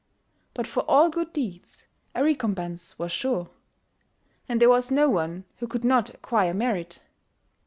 But for all good deeds a recompense was sure; and there was no one who could not acquire merit.